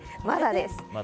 まだです。